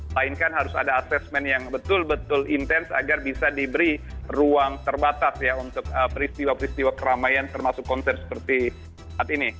lain kan harus ada assessment yang betul betul intens agar bisa diberi ruang terbatas ya untuk peristiwa peristiwa keramaian termasuk konser seperti saat ini